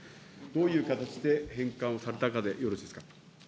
どういう形で返還をされたかでよろしいですか。